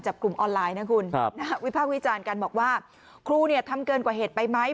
กลุ่มออนไลน์นะคุณวิพากษ์วิจารณ์กันบอกว่าครูเนี่ยทำเกินกว่าเหตุไปไหม